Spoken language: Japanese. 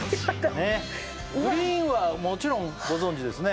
グリーンはもちろんご存じですね？